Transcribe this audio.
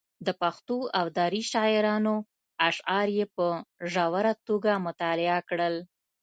د پښتو او دري شاعرانو اشعار یې په ژوره توګه مطالعه کړل.